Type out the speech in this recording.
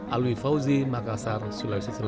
alwi fauzi makassar sulawesi selatan